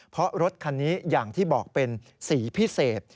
เพราะรถคันนี้อย่างที่บอกเป็นสีพิเศษ